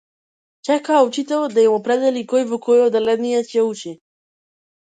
Чекаа учителот да им определи кој во кое одделение ќе учи.